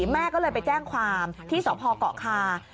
แม่ก็เลยไปแจ้งความที่สพเกาะคา